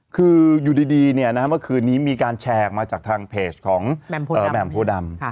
คืออยู่ดีเมื่อคืนนี้มีการแชร์ออกมาจากทางเพจของแหม่มโพดำ